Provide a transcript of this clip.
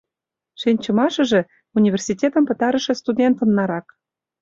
Шинчымашыже — университетым пытарыше студентын нарак.